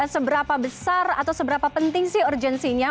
seberapa besar atau seberapa penting sih urgensinya